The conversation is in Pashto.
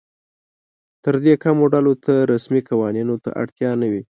تر دې کمو ډلو ته رسمي قوانینو ته اړتیا نه وي.